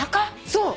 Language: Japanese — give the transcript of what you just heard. そう。